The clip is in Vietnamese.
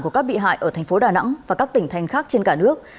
của các bị hại ở tp đà nẵng và các tỉnh thành khác trên cả nước